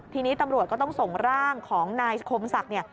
ทีนี้ตำรวจก็ต้องส่งร่างของนายคมศักดิ์เนี่ย